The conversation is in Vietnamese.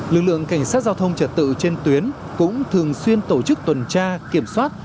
lực lượng cảnh sát giao thông trật tự trên tuyến cũng thường xuyên tổ chức tuần tra kiểm soát